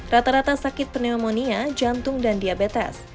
rata rata sakit pneumonia jantung dan diabetes